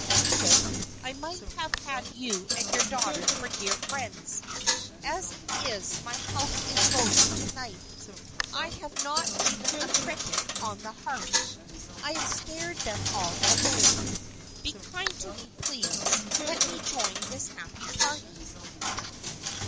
Caleb, I might have had you and your daughter for dear friends. As it is, my house is lonely to night. I have not even a cricket on the hearth. I have scared them all away. Be kind to me, please; let me join this happy party!"